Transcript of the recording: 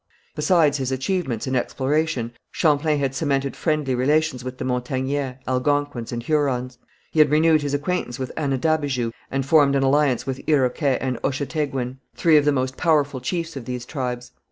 Besides his achievements in exploration Champlain had cemented friendly relations with the Montagnais, Algonquins and Hurons; he had renewed his acquaintance with Anadabijou and formed an alliance with Iroquet and Ochateguin, three of the most powerful chiefs of these tribes.